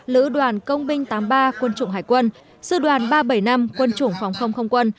lữ đoàn công binh tám mươi ba quân chủng hải quân sư đoàn ba trăm bảy mươi năm quân chủng phòng không không quân